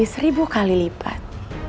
seribu kali lipat